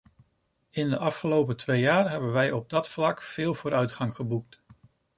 In de afgelopen twee jaar hebben wij op dat vlak veel vooruitgang geboekt.